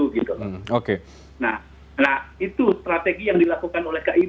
nah itu strategi yang dilakukan oleh kib mas ren